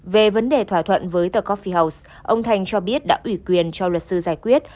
về vấn đề thỏa thuận với tờ cophie house ông thành cho biết đã ủy quyền cho luật sư giải quyết